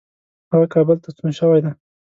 هغه کابل ته ستون شوی دی.